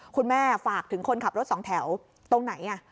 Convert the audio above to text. ฝากถึงคนขับรถสองแถวตรงไหน